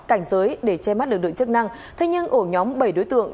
cảnh giới để che mắt lực lượng chức năng thế nhưng ổ nhóm bảy đối tượng